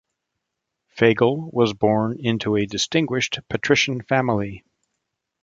Fagel was born into a distinguished patrician family.